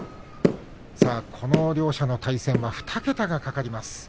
この両者の対戦は２桁が懸かります。